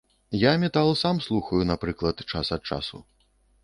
Я метал сам слухаю, напрыклад, час ад часу.